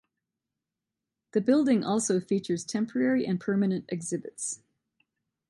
The building also features temporary and permanent exhibits.